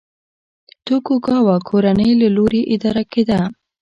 توکوګاوا کورنۍ له لوري اداره کېده.